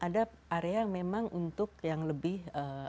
ada area yang memang untuk yang lebih